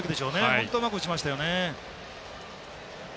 本当、うまく打ちましたね。